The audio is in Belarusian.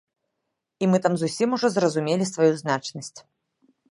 І мы там зусім ужо зразумелі сваю значнасць.